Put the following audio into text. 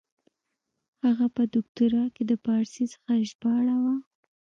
هغه په دوکتورا کښي د پاړسي څخه ژباړه وه.